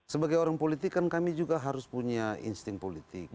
sebagai orang politik kan kami juga harus punya insting politik